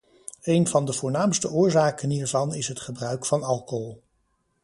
Een van de voornaamste oorzaken hiervan is het gebruik van alcohol.